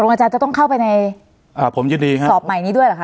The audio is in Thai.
อาจารย์ต้องเข้าไปในสอบใหม่นี้ด้วยหรอคะ